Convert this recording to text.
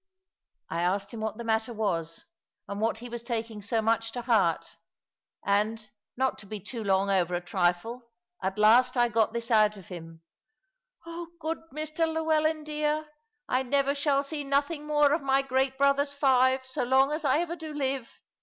I asked him what the matter was, and what he was taking so much to heart; and, not to be too long over a trifle, at last I got this out of him: "Oh, good Mr Llewellyn, dear, I never shall see nothing more of my great brothers five, so long as ever I do live.